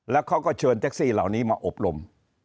แล้วเขาก็เชิญแท็กซี่เหล่านี้มาอบรม